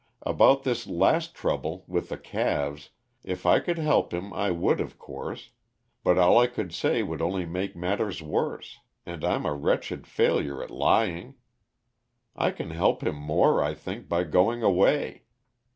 About this last trouble with the calves if I could help him, I would, of course. But all I could say would only make matters worse and I'm a wretched failure at lying. I can help him more, I think, by going away.